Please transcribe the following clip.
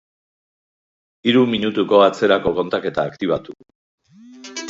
Hiru minutuko atzerako kontaketa aktibatu.